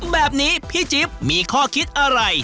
แบบนี้พี่จิ๊บมีข้อคิดอะไร